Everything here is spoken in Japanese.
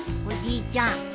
おじいちゃん